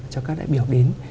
cho các đại biểu đến